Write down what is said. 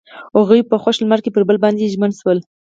هغوی په خوښ لمر کې پر بل باندې ژمن شول.